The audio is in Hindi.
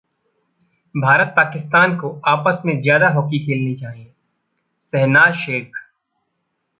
भारत-पाकिस्तान को आपस में ज्यादा हॉकी खेलनी चाहिए: शहनाज शेख